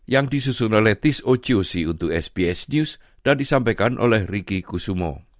yang disusun oleh this okoc untuk sbs news dan disampaikan oleh riki kusumo